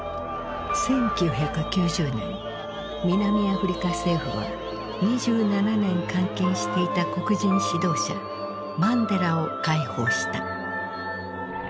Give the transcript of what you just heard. １９９０年南アフリカ政府は２７年監禁していた黒人指導者マンデラを解放した。